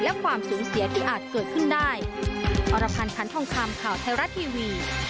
และความสูญเสียที่อาจเกิดขึ้นได้